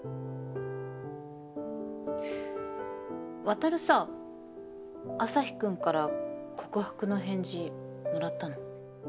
渉さアサヒくんから告白の返事もらったの？